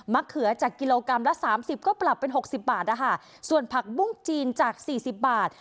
เขือจากกิโลกรัมละสามสิบก็ปรับเป็นหกสิบบาทนะคะส่วนผักบุ้งจีนจากสี่สิบบาท